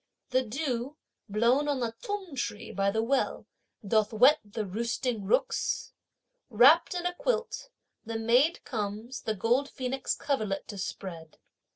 The dew, blown on the t'ung tree by the well, doth wet the roosting rooks. Wrapped in a quilt, the maid comes the gold phoenix coverlet to spread.